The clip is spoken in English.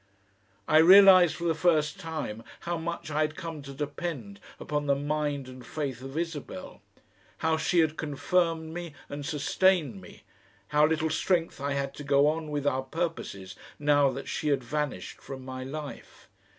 I realised for the first time how much I had come to depend upon the mind and faith of Isabel, how she had confirmed me and sustained me, how little strength I had to go on with our purposes now that she had vanished from my life.